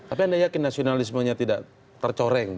tapi anda yakin nasionalismenya tidak tercoreng